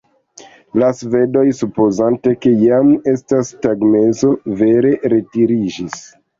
La svedoj, supozante ke jam estas tagmezo, vere retiriĝis.